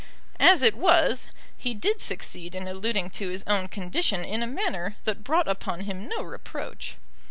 As it was, he did succeed in alluding to his own condition in a manner that brought upon him no reproach.